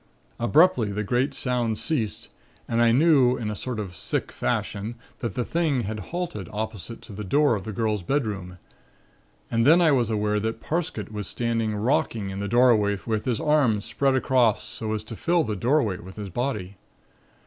Abruptly the great sounds ceased and I knew in a sort of sick fashion that the thing had halted opposite to the door of the girl's bedroom. And then I was aware that Parsket was standing rocking in the doorway with his arms spread across, so as to fill the doorway with his body.